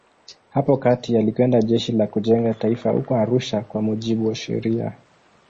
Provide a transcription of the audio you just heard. Hapo kati alikwenda Jeshi la Kujenga Taifa huko Arusha kwa mujibu wa sheria.